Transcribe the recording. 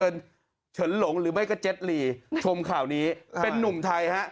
เฉินหลงหรือไม่ก็เจ็ดลีชมข่าวนี้เป็นนุ่มไทยฮะ